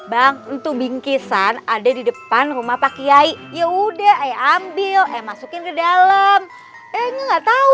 bang untuk bingkisan ada di depan rumah pak yayi ya udah ambil eh masukin ke dalam nggak tahu